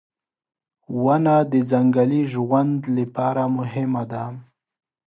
• ونه د ځنګلي ژوند لپاره مهمه ده.